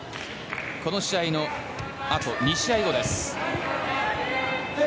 この試合の２試合後です。